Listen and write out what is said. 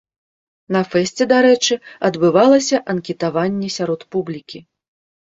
На фэсце, дарэчы, адбывалася анкетаванне сярод публікі.